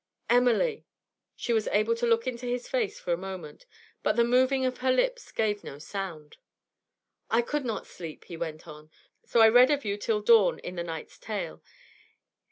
'Emily!' She was able to look into his face for a moment, but the moving of her lips gave no sound. 'I could not sleep,' he went on, 'so I read of you till dawn in the Knightes Tale.